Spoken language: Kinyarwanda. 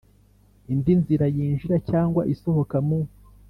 indi nzira yinjira cyangwa isohoka mu